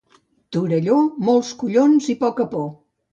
Torelló, molts collons i poca por.